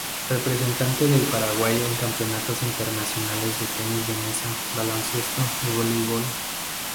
Representante del Paraguay en campeonatos internacionales de tenis de mesa, baloncesto y voleibol.